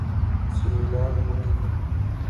Ciudad múltiple.